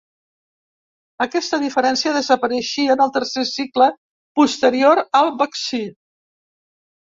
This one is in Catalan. Aquesta diferència desapareixia en el tercer cicle posterior al vaccí.